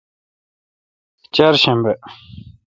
چارشنبہ